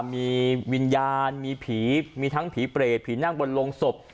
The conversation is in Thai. มีวิญญาณมีผีมีทั้งผีเปรตผีนั่งบนโรงศพ